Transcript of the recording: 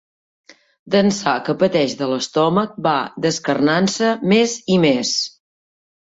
D'ençà que pateix de l'estómac va descarnant-se més i més.